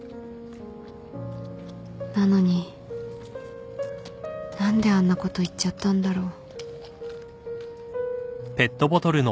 なのに何であんなこと言っちゃったんだろう